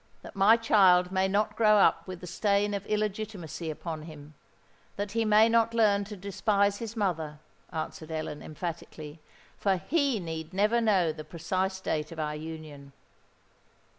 "That my child may not grow up with the stain of illegitimacy upon him—that he may not learn to despise his mother," answered Ellen, emphatically; "for he need never know the precise date of our union."